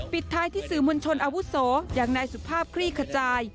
ปิดท้ายที่สื่อมวลชนอาวุโสอย่างนายสุภาพคลี่ขจาย